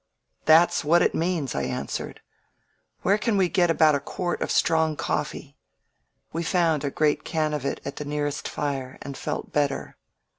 "That's what it means," I answered. "Where can we get about a quart of strong coffee?" We found a great can of it at the nearest fire and felt better.